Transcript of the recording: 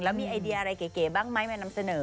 แล้วมีไอเดียอะไรเก๋บ้างไหมมานำเสนอ